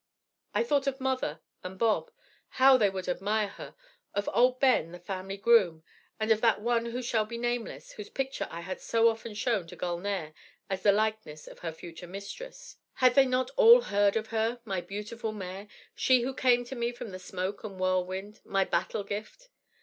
I thought of mother and Bob how they would admire her! of old Ben, the family groom, and of that one who shall be nameless, whose picture I had so often shown to Gulnare as the likeness of her future mistress; had they not all heard of her, my beautiful mare, she who came to me from the smoke and whirlwind, my battle gift?